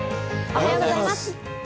おはようございます。